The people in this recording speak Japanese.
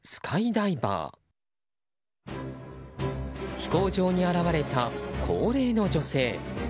飛行場に現れた高齢の女性。